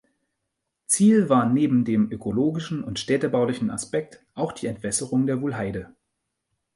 Ziel war neben dem ökologischen und städtebaulichen Aspekt auch die Entwässerung der Wuhlheide.